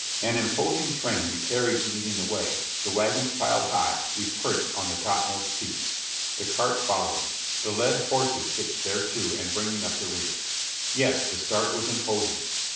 An imposing train — the carriage leading the way, the wagons piled high, we perched on the topmost peaks ; the cart following, the led horses hitched thereto and bringing up the rear. Yes, the start was imposing!